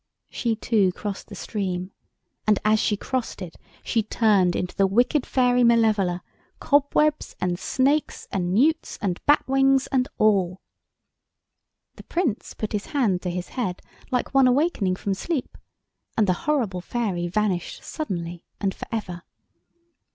She, too, crossed the stream, and as she crossed it she turned into the wicked fairy Malevola—cobwebs, and snakes, and newts, and bat's wings, and all. The Prince put his hand to his head like one awakening from sleep, and the horrible fairy vanished suddenly and for ever.